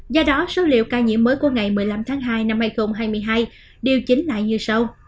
do đó số liệu ca nhiễm mới của ngày một mươi năm tháng hai năm hai nghìn hai mươi hai điều chỉnh lại như sau